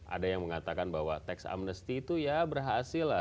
ada yang mengatakan bahwa tax amnesty itu ya berhasil lah